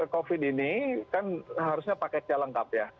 covid ini kan harusnya pakai calangkap ya